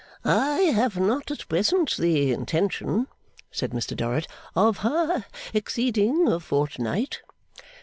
'I have not at present the intention,' said Mr Dorrit, 'of ha exceeding a fortnight.